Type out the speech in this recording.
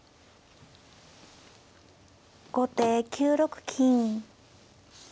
後手９六金。